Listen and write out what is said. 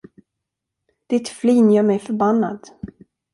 Ditt flin gör mig förbannad.